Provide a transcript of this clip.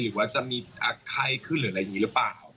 หรือว่าจะมีไข้ขึ้นหรืออะไรอย่างนี้หรือเปล่า